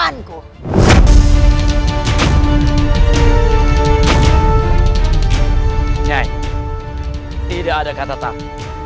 aku tidak akan kampung